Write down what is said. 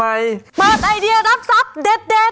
เปิดไอเดียรับทรัพย์เด็ด